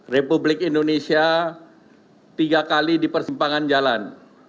republik indonesia tiga kali di persimpangan jalan